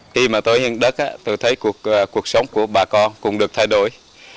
khi mà tôi hiến đất tôi thấy cuộc sống của bà con cũng được thay đổi